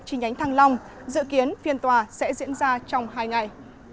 chi nhánh thăng long dự kiến phiên tòa sẽ diễn ra trong hai ngày